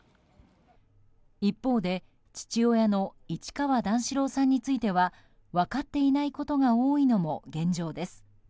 一方で父親の市川段四郎さんについては分かっていないことが多いのも現状です。